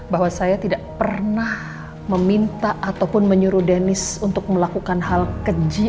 bahwa saya tidak pernah meminta ataupun menyuruh denis untuk melakukan hal keji